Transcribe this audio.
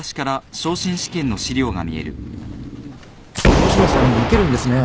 吉野さんも受けるんですね。